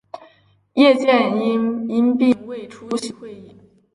叶剑英因病未出席会议。